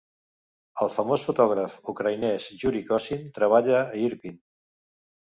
El famós fotògraf ucraïnès Yuri Kosin treballa a Irpin.